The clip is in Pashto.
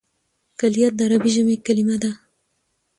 کلیات د عربي ژبي کليمه ده.